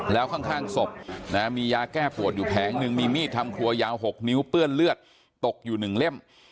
แล้วข้างศพมียาแก้ปวดอยู่แผงหนึ่งมีมีดทำครัวยาว๖นิ้วเปื้อนเลือดตกอยู่๑เล่ม